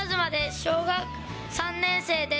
小学３年生です。